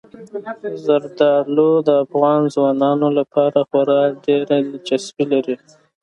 زردالو د افغان ځوانانو لپاره خورا ډېره دلچسپي لري.